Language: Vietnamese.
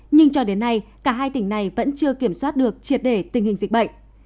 nhưng cho đến nay cả hai tỉnh này vẫn chưa kiểm soát được triệt để tình hình dịch bệnh